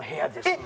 えっ